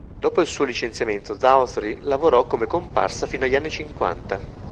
Dopo il suo licenziamento, Dougherty lavorò come comparsa fino agli anni cinquanta.